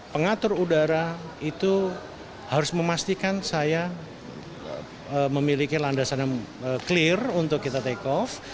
pengatur udara itu harus memastikan saya memiliki landasan yang clear untuk kita take off